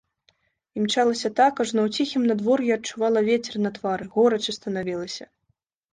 Імчалася так, ажно ў ціхім надвор'і адчувала вецер на твары, горача станавілася.